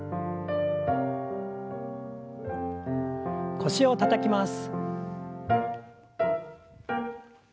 腰をたたきます。